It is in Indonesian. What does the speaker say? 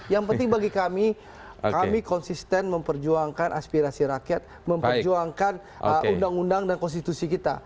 yang penting bagi kami kami konsisten memperjuangkan aspirasi rakyat memperjuangkan undang undang dan konstitusi kita